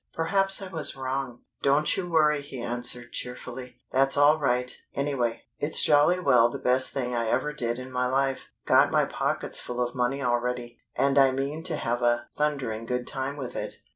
Perhaps I was wrong." "Don't you worry," he answered, cheerfully. "That's all right, anyway. It's jolly well the best thing I ever did in my life. Got my pockets full of money already, and I mean to have a thundering good time with it.